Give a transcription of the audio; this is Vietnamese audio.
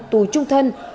tù trung thân